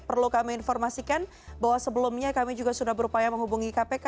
perlu kami informasikan bahwa sebelumnya kami juga sudah berupaya menghubungi kpk